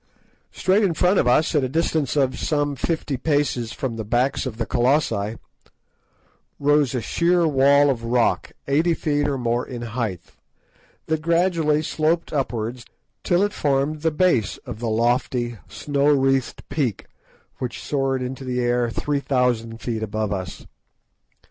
Straight in front of us, at a distance of some fifty paces from the backs of the Colossi, rose a sheer wall of rock, eighty feet or more in height, that gradually sloped upwards till it formed the base of the lofty snow wreathed peak, which soared into the air three thousand feet above us.